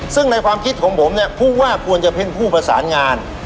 ซึ่งในความคิดของผมเนี่ยผู้ว่าควรจะเป็นผู้ประสานงาน